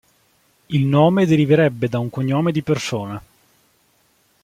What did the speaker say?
Il nome deriverebbe da un cognome di persona.